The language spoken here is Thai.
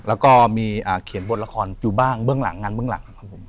แล้วก็มีเขียนบทละครอยู่บ้างเบื้องหลังงานเบื้องหลังครับผม